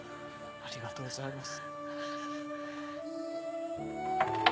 ありがとうございます。